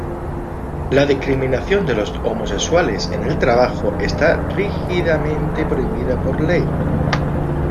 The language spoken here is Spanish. La discriminación de los homosexuales en el trabajo está rígidamente prohibida por ley.